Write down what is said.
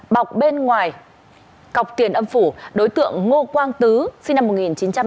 bọc bên ngoài cọc tiền âm phủ đối tượng ngô quang tứ sinh năm một nghìn chín trăm tám mươi